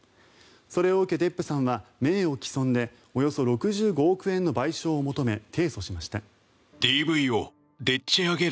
それを受けデップさんは名誉毀損でおよそ６５億円の賠償を求め提訴しました。